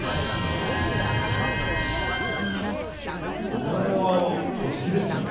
お笑いはお好きですよね。